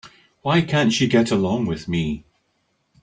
Why can't she get along with me?